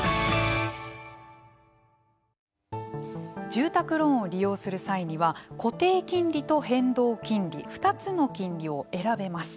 住宅ローンを利用する際には固定金利と変動金利２つの金利を選べます。